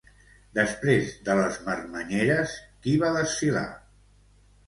Després de les marmanyeres, qui va desfilar?